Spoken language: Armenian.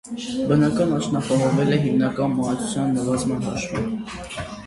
Բնական աճն ապահովվել է հիմնականում մահացության նվազման հաշվին։